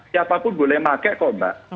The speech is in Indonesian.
siapapun boleh pakai kok mbak